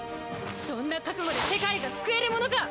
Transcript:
そんな覚悟で世界が救えるものか！